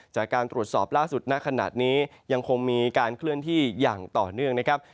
จากการตรวจสอบล่าสุดณขณะนี้ยังคงมีการเคลื่อนที่อย่างต่อเนื่องนะครับ